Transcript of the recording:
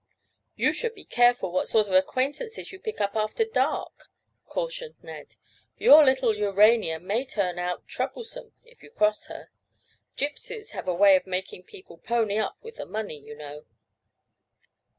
"You should be careful what sort of acquaintances you pick up after dark," cautioned Ned. "Your little Urania may turn out troublesome if you cross her. Gypsies have a way of making people 'pony up' with the money, you know."